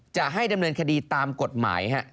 จะให้ดำเนินคดีตามกฎหมาย